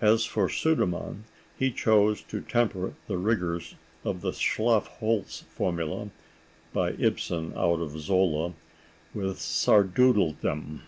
As for Sudermann, he chose to temper the rigors of the Schlaf Holz formula (by Ibsen out of Zola) with sardoodledum.